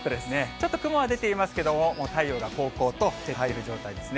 ちょっと雲は出ていますけれども、もう太陽がこうこうと状態です。